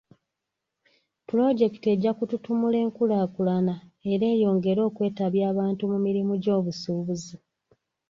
Pulojekiti ejja kututumula enkulaakulana era eyongere okwetabya abantu mu mirimu gy'obusuubuzi.